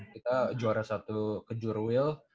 kita juara satu ke jurwil